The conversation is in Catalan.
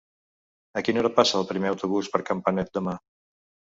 A quina hora passa el primer autobús per Campanet demà?